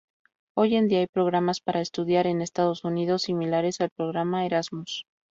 Hoy en día, hay programas para estudiar en Estados Unidos similares al Programa Erasmus.